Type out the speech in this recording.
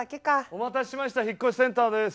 ・お待たせしました引っ越しセンターです。